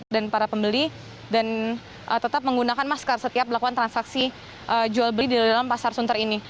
dan para pembeli dan tetap menggunakan masker setiap lakukan transaksi jual beli di dalam pasar sunter ini